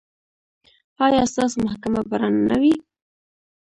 ایا ستاسو محکمه به رڼه نه وي؟